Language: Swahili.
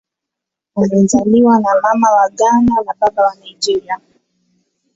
Amezaliwa na Mama wa Ghana na Baba wa Nigeria.